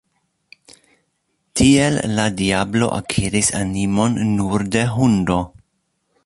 Tiel la diablo akiris animon nur de hundo.